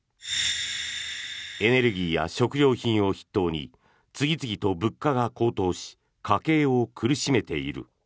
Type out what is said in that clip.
エネルギーや食料品を筆頭に次々と物価が高騰し家計を苦しめている。